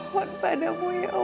memohon padamu ya allah